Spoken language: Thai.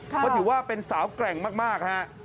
เพราะถือว่าเป็นสาวแกร่งมากฮะ